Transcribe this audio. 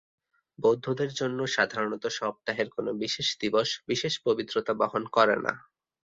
বৌদ্ধদের জন্যে সাধারণত সপ্তাহের কোন বিশেষ দিবস বিশেষ পবিত্রতা বহন করে না।